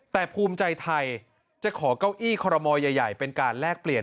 แต่ภูมิใจไทยจะขอเก้าอี้คอรมอลใหญ่เป็นการแลกเปลี่ยน